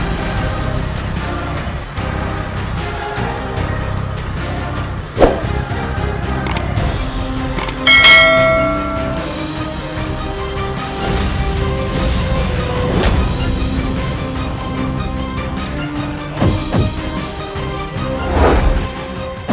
aku akan menangkapmu